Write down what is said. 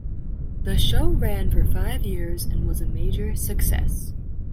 The show ran for five years and was a major success.